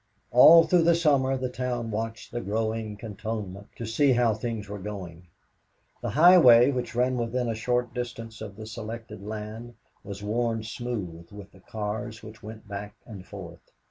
All through the summer the town watched the growing cantonment to see how things were going. The highway which ran within a short distance of the selected land was worn smooth with the cars which went back and forth.